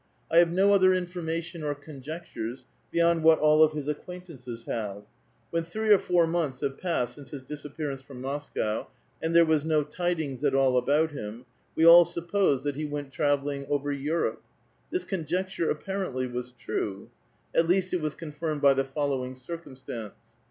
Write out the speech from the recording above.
I liave no other information or conjectures, beyond what all of his acquaintances have. When three or four months had passed since his disappearance from Moscow, and there was sio tidings at all about liim, we all supposed that he went "travelling over Europe. This conjecture apparently was true. ^At least, it was confirmed by the following circumstance.